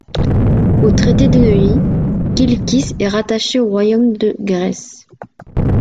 Au Traité de Neuilly, Kilkís est rattachée au Royaume de Grèce.